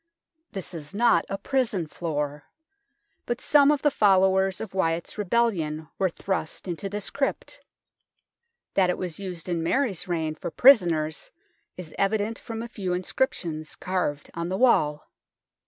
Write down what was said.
This is not a prison floor, but some of the followers of Wyatt's rebellion were thrust into this crypt. That it was used in Mary's reign for prisoners is evident from a few inscriptions carved on the wall.